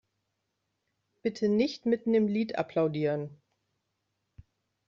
Bitte nicht mitten im Lied applaudieren!